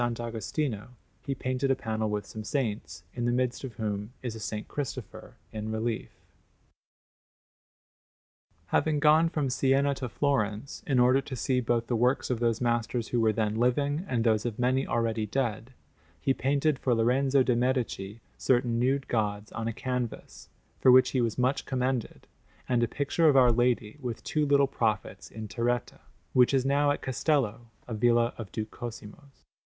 Agostino, he painted a panel with some saints, in the midst of whom is a S. Cristopher in relief. Having gone from Siena to Florence in order to see both the works of those masters who were then living and those of many already dead, he painted for Lorenzo de' Medici certain nude gods on a canvas, for which he was much commended, and a picture of Our Lady with two little prophets in terretta, which is now at Castello, a villa of Duke Cosimo's.